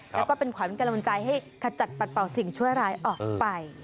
แล้วก็เป็นขวัญกำลังใจให้ขจัดปัดเป่าสิ่งชั่วร้ายออกไป